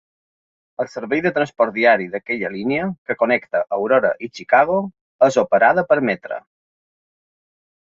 El servei de transport diari d'aquella línia, que connecta Aurora i Chicago, és operada per Metra.